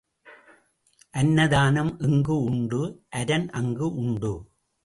அன்னதானம் எங்கு உண்டு அரன் அங்கு உண்டு.